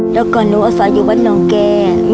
แล้วก่อนหนูอสายอยู่วัดหลวงแก